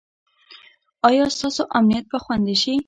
ایا ستاسو امنیت به خوندي شي؟